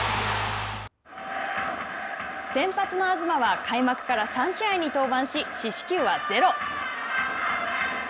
先発の東は開幕から３試合に登板し四死球はゼロ。